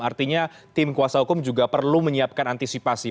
artinya tim kuasa hukum juga perlu menyiapkan antisipasi